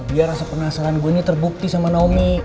biar rasa penasaran gue ini terbukti sama naomi